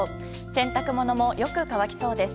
洗濯物もよく乾きそうです。